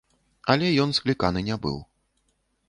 Але ён скліканы не быў.